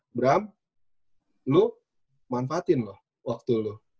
abraham lu manfaatin loh waktu itu